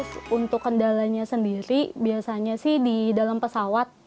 untuk kendalanya sendiri biasanya sih di dalam pesawat